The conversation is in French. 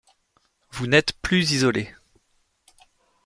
vous n'êtes plus isolé